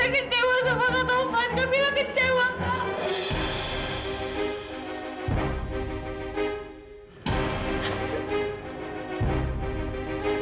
ketaufan juga ketaufan